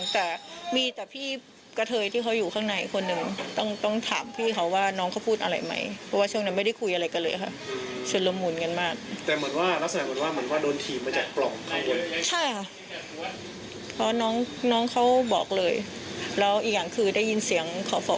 เหมือนว่าโดนทีบมาจากปล่องคร้วง